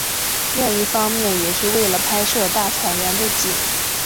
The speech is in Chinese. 另一方面也是为了拍摄大草原的景。